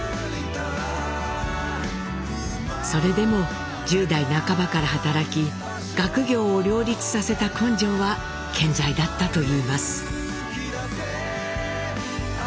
それでも１０代半ばから働き学業を両立させた根性は健在だったといいます。